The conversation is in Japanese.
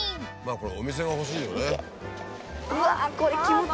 これお店が欲しいよね。